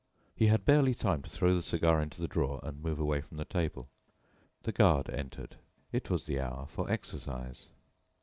He had barely time to throw the cigar into the drawer and move away from the table. The guard entered. It was the hour for exercise.